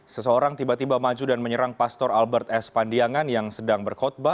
seseorang tiba tiba maju dan menyerang pastor albert s pandiangan yang sedang berkotba